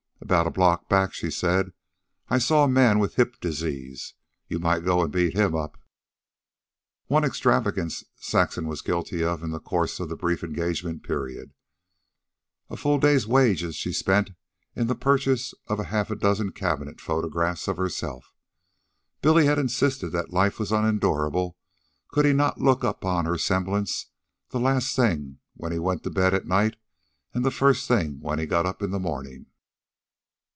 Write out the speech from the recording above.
"About a block back," she said, "I saw a man with hip disease. You might go and beat him up." Of one extravagance Saxon was guilty in the course of the brief engagement period. A full day's wages she spent in the purchase of half a dozen cabinet photographs of herself. Billy had insisted that life was unendurable could he not look upon her semblance the last thing when he went to bed at night and the first thing when he got up in the morning.